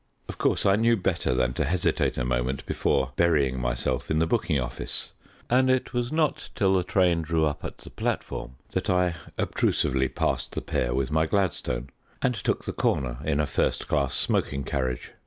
Of course I knew better than to hesitate a moment before burying myself in the booking office, and it was not till the train drew up at the platform, that I obtrusively passed the pair with my Gladstone, and took the corner in a first class smoking carriage.